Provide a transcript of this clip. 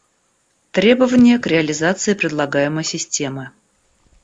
Требования к реализации предлагаемой системы